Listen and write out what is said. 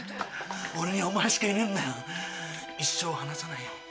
俺にはお前しかいねえんだよ一生離さないよ。